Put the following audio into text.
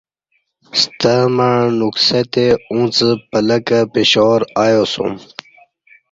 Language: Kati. ستمع نکسہ تے اݩڅ پلکہ پشاور ایاسوم